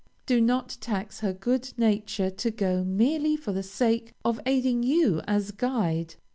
Do not tax her good nature to go, merely for the sake of aiding you as guide.